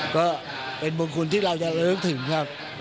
ก็เป็นบุญคุณที่เราจะลึกถึงครับ